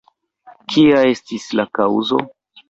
Kia estis la kaŭzo?